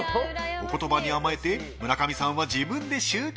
お言葉に甘えて村上さんは自分で収穫。